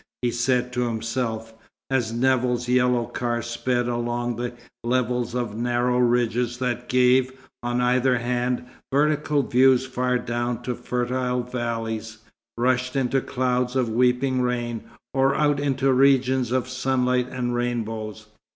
he said to himself, as Nevill's yellow car sped along the levels of narrow ridges that gave, on either hand, vertical views far down to fertile valleys, rushed into clouds of weeping rain, or out into regions of sunlight and rainbows.